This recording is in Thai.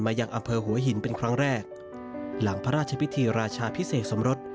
ยังอำเภอหัวหินเป็นครั้งแรกหลังพระราชพิธีราชาพิเศษสมรส